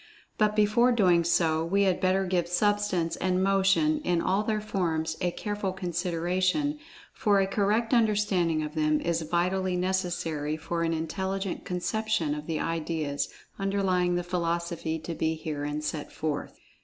But before doing so, we had better give Substance and Motion, in all their forms, a careful consideration, for a correct understanding of them is vitally necessary for an intelligent conception of the ideas underlying the philosophy to be herein set forth.